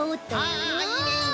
ああいいねいいね。